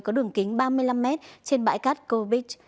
có đường kính ba mươi năm mét trên bãi cát kovic